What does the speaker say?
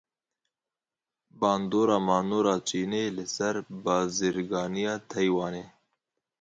Bandora manora Çînê li ser bazirganiya Taywanê.